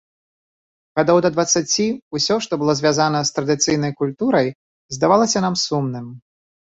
Гадоў да дваццаці ўсё, што было звязана з традыцыйнай культурай, здавалася нам сумным.